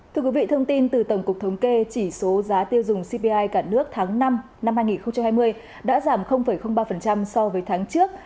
thưa quý vị thông tin từ tổng cục thống kê chỉ số giá tiêu dùng cpi cả nước tháng năm năm hai nghìn hai mươi đã giảm ba so với tháng trước